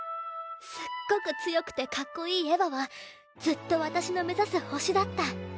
すっごく強くてかっこいいエヴァはずっと私の目指す星だった。